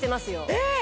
えっ！